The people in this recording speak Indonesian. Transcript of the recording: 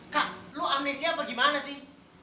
kak lo amnesia apa gimana sih